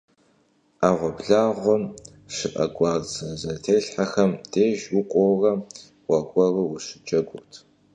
Ӏэгъуэблагъэм щыӀэ гуарцэ зэтелъхьахэм деж укӀуэурэ уэр-уэру ущыджэгурт.